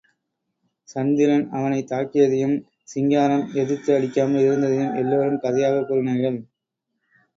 சந்திரன் அவனைத் தாக்கியதையும், சிங்காரம் எதிர்த்து அடிக்காமல் இருந்தையும், எல்லோரும் கதையாகக் கூறினார்கள்.